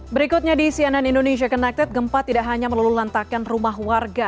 berikutnya di cnn indonesia connected gempa tidak hanya melulu lantakan rumah warga